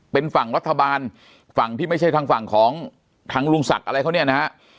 เป็นฝั่งรัฐบาลฝั่งที่ไม่ใช่ทางฝั่งของทางลุงศักดิ์อะไรเขาเนี่ยนะฮะ